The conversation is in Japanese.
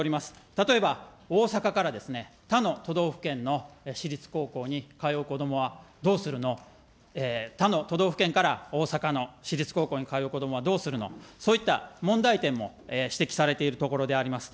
例えば、大阪からですね、他の都道府県の私立高校に通う子どもはどうするの、他の都道府県から大阪の私立高校に通う子どもはどうするの、問題点も指摘されているところであります。